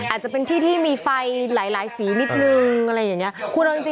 อาจจะเป็นที่ที่มีไฟหลายสีนิดนึงอะไรอย่างนี้